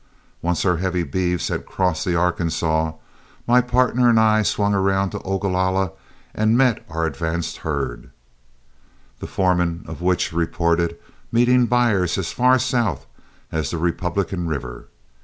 Once our heavy beeves had crossed the Arkansas, my partner and I swung round to Ogalalla and met our advance herd, the foreman of which reported meeting buyers as far south as the Republican River.